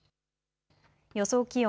予想気温。